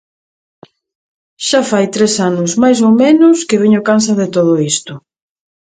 Xa fai tres anos mais ou menos que veño cansa de todo isto.